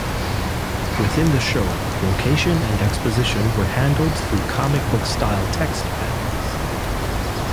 Within the show, location and exposition were handled through comic book-style text panels.